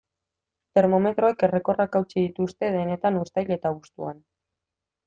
Termometroek errekorrak hautsi dituzte denetan uztail eta abuztuan.